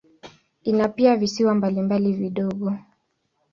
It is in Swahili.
Ina pia visiwa mbalimbali vidogo.